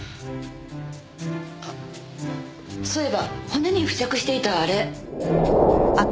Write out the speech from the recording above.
あっそういえば骨に付着していたあれ。